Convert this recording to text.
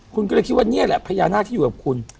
คุณก็เลยคิดว่านี่แหละพญานาคที่อยู่กับคุณ